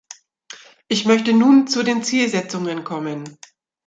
Ich möchte nun zu den Zielsetzungen kommen.